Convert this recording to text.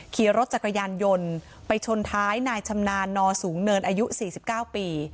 ขี่รถจักรยานยนต์ไปชนท้ายนายชำนาญนอสูงเนินอายุ๔๙ปี